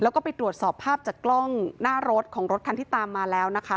แล้วก็ไปตรวจสอบภาพจากกล้องหน้ารถของรถคันที่ตามมาแล้วนะคะ